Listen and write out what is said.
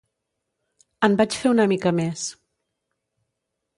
En vaig fer una mica més.